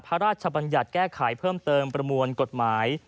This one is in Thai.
พระราชบัญญัติแก้ไขเพิ่มเติมประมวลกฎหมาย